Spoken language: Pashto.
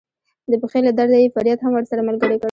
د پښې له درده یې فریاد هم ورسره ملګری کړ.